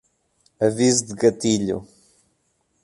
Aviso de gatilho